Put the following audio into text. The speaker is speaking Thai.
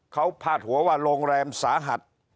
เขาพาดหัวว่าโรงแรมสาหัส